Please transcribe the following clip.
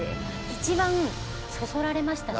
一番そそられましたね。